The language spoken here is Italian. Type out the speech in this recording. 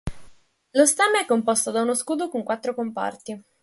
Lo stemma è composto da uno scudo con quattro comparti.